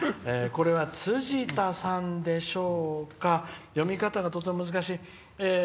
つじたさんでしょうか読み方が、とても難しい。